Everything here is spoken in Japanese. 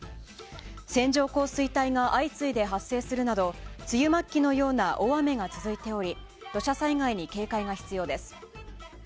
線状降水帯が相次いで発生するなど梅雨末期のような大雨が続いており土砂災害に警戒が必要です。